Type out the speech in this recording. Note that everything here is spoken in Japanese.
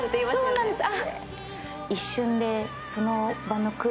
そうなんです。